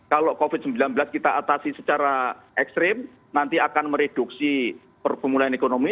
kalau covid sembilan belas kita atasi secara ekstrim nanti akan mereduksi permulaan ekonomi